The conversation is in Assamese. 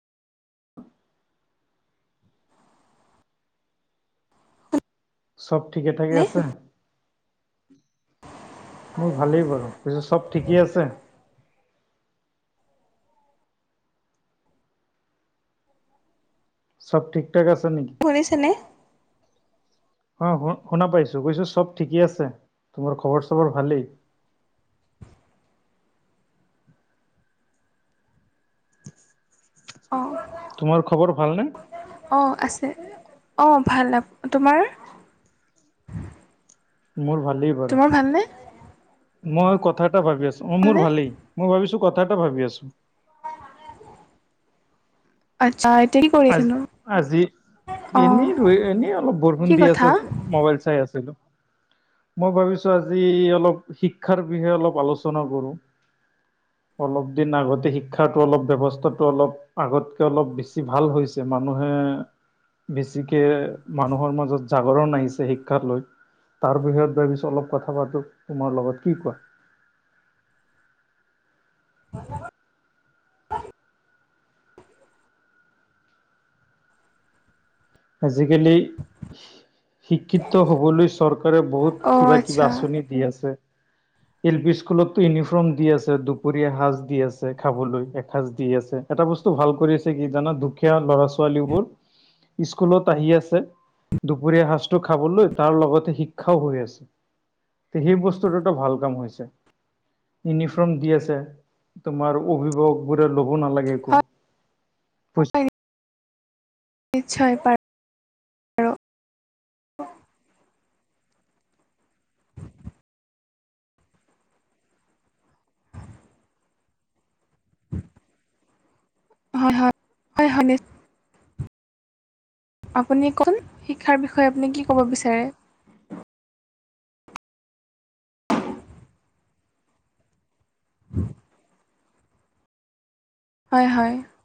চব ঠিকে থাকে নে আছে মোৰ ভালেই বাৰু কৈছো চব ঠিকেই আছে [unintelligible] চব ঠিক ঠাক আছে নি শুনিছেনে অ শু শুনা পাইছো কৈছো চব ঠিকেই আছে তোমাৰ খবৰ চবৰ ভালেই অ তোমাৰ খবৰ ভালনে অঁ আছে অঁ ভাল তোমাৰ মোৰ ভালেই বাৰু। তোমাৰ ভালনে মই কথা এটা ভাবি আছো ম মোৰ ভালনে ভালেই মই ভাবিছো কথা এটা ভাবি আছো আচ্ছা এতিয়া কৰি আজ আছেনো আজি অ এনেই ই এনেই অলপ কি বৰষুণ দি কথা আছে মোবাইল চাই আছিলো মই ভাবিছো আজি অলপ শিক্ষাৰ বিষয়ে অলপ আলোচনা কৰো অলপ দিন আগতে শিক্ষা অলপ ব্যৱস্থাটো অলপ আগতকে অলপ বেছি ভাল হৈছে মানুহে বেছিকে মানুহৰ মাজত জাগৰণ আহিছে শিক্ষাক লৈ তাৰ বিষয়ত ভাবিছো অলপ কথা পাতো তোমাৰ লগত কি কোৱা [unintelligible] আজিকালি শিক্ষিত হবলৈ চৰকাৰে অ বহুত আচ্ছা কিবা-কিবা আঁচনি দি আছে। এল পি স্কুলতো ইউনিফৰ্ম দি আছে দুপৰীয়া সাঁজ দি আছে খাবলৈ এসাঁজ দি আছে। এটা বস্তু ভাল কৰি আছে কি জানা দুখীয়া ল'ৰা-ছোৱালীবোৰ। স্কুলত আহি আছে দুপৰীয়া সাঁজটো খাবলৈ তাৰ লগতে শিক্ষাও হৈ আছে। তে সেই বস্তুটোতো ভাল কাম হৈছে। ইউনিফৰ্ম দি আছে তোমাৰ অভিভাৱকবোৰে ল'ব নালাগে হয় একো। হয় নিশ্চয় পায়। হুম হুম। হয় হয়, হয় হয়, নিশ আপুনি কোন শিক্ষাৰ বিষয়ে আপুনি কি ক'ব বিচাৰে। হু উ উ। হয় হয়।